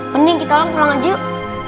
mending kita ulang pulang aja yuk